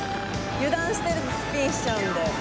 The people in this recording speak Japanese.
油断してスピンしちゃうんだよ。